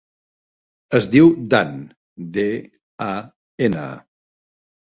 Es diu Dan: de, a, ena.